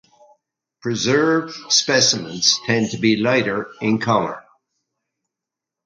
Preserved specimens tend to be lighter in color.